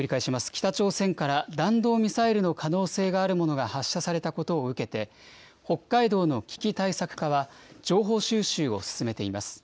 北朝鮮から弾道ミサイルの可能性があるものが発射されたことを受けて、北海道の危機対策課は、情報収集を進めています。